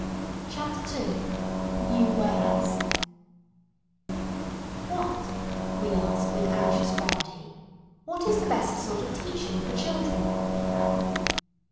8]] CHAPTER II New Ways "WHAT," we ask with anxious gravity, "what is the best sort of teaching for children?"